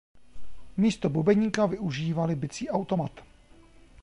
Místo bubeníka využívali bicí automat.